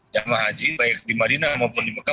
jemaah haji baik di madinah maupun di mekah